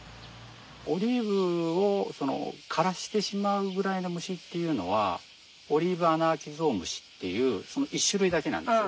オリーブを枯らしてしまうぐらいの虫っていうのはオリーブアナアキゾウムシっていう１種類だけなんですよ。